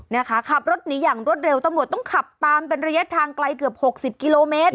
นะคะขับรถหนีอย่างรวดเร็วตำรวจต้องขับตามเป็นระยะทางไกลเกือบหกสิบกิโลเมตร